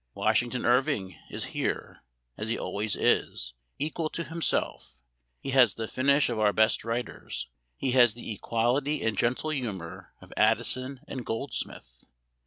Washington Irv ing is here, as he always is, equal to himself. He has the finish of our best writers ; he has the equality and gentle humor of Addison and Goldsmith."